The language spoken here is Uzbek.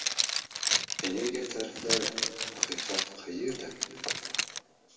Energiya tariflari – haqiqat qayerda?